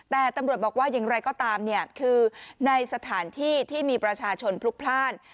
แต่ตำรวจบอกว่าอย่างไรก็ตามเนี่ยคือในสถานที่ที่มีประชาชนพลุกพลาด